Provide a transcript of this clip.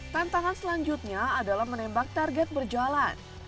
tantangan selanjutnya adalah menembak target berjalan